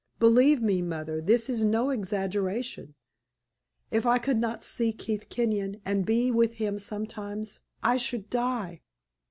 Believe me, mother, this is no exaggeration. If I could not see Keith Kenyon and be with him sometimes I should die."